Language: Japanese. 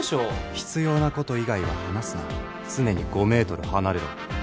「必要なこと以外は話すな常に５メートル離れろ」